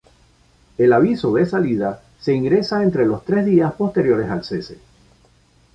El aviso de salida, se ingresa entre los tres días posteriores al cese.